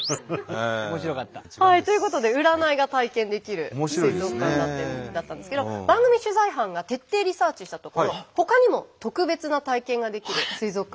面白かった。ということで占いが体験できる水族館だったんですけど番組取材班が徹底リサーチしたところほかにも特別な体験ができる水族館がありました。